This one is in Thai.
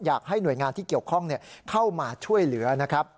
อยากให้หน่วยงานที่เกี่ยวข้องเข้ามาช่วยเหลือนะครับ